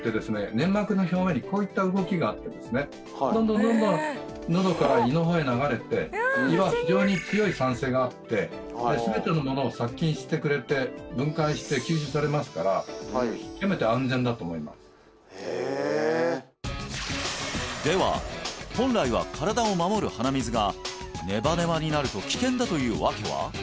粘膜の表面にこういった動きがあってですねどんどんどんどんのどから胃の方へ流れて胃は非常に強い酸性があって全てのものを殺菌してくれて分解して吸収されますから極めて安全だと思いますでは本来は身体を守る鼻水がネバネバになると危険だという訳は？